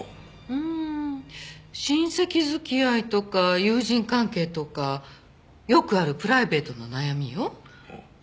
うん親戚付き合いとか友人関係とかよくあるプライベートな悩みよ。